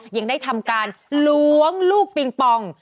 ยังได้ทำการล้วงลูกปิงปอง